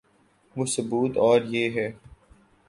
وہ ثبوت اور یہ ہے۔